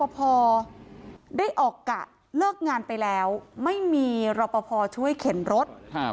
ไปออกกะเลิกงานไปแล้วไม่มีรอบพอพอช่วยเข็นรถ